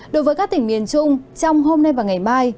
đối với các tỉnh miền trung trong hôm nay và ngày mai